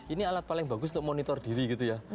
ini alat paling bagus untuk monitor diri gitu ya